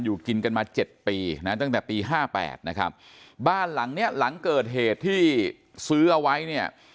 อยู่กินกันมา๗ปีตั้งแต่ปี๕๘นะครับบ้านหลังเนี่ยหลังเกิดเหตุที่ซื้อเอาไว้เนี่ย